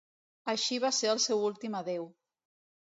Així va ser el seu últim adéu.